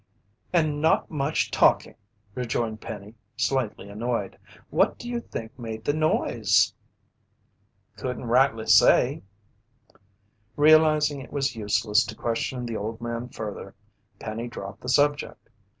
"And not much talking," rejoined Penny, slightly annoyed. "What do you think made the noise?" "Couldn't rightly say." Realizing it was useless to question the old man further, Penny dropped the subject.